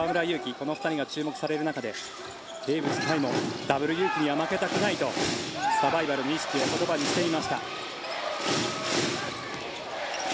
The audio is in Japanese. この２人が注目される中でテーブス海もダブルユウキには負けたくないとサバイバルに意識を言葉にしていました。